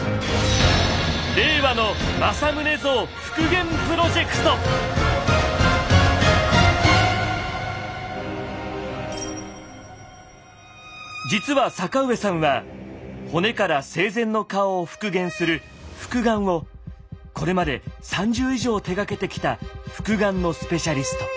名付けて実は坂上さんは骨から生前の顔を復元する「復顔」をこれまで３０以上手がけてきた復顔のスペシャリスト。